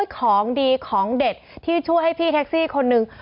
ของดีของเด็ดที่ช่วยให้พี่แท็กซี่คนหนึ่ง